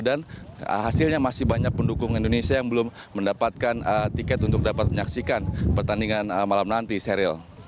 dan hasilnya masih banyak pendukung indonesia yang belum mendapatkan tiket untuk dapat menyaksikan pertandingan malam nanti serial